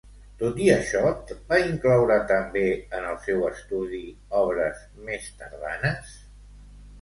Tot i això, va incloure també en el seu estudi obres més tardanes?